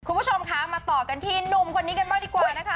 คุณผู้ชมคะมาต่อกันที่หนุ่มคนนี้กันบ้างดีกว่านะคะ